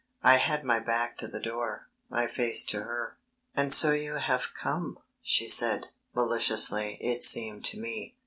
I had my back to the door, my face to her. "And so you have come," she said, maliciously it seemed to me.